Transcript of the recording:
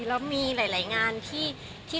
แล้วมีหลายงานที่เข้ามา